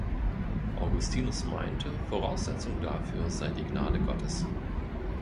Augustinus meinte, Voraussetzung dafür sei die Gnade Gottes.